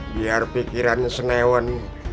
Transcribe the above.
biar pikiran senewan